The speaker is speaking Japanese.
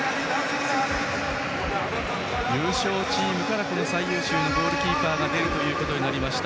優勝チームから最優秀のゴールキーパーが出ることになりました。